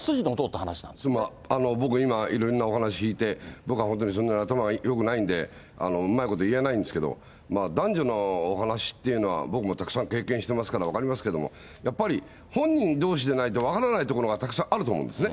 僕今、いろんなお話聞いて、僕は本当にそんなに頭がよくないんで、うまいこと言えないんですけど、男女のお話っていうのは、僕もたくさん経験してますから分かりますけども、やっぱり本人どうしでないと分からないところがたくさんあると思うんですね。